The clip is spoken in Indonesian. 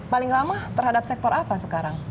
paling ramah terhadap sektor apa sekarang